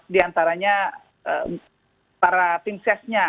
di antaranya para tim sesnya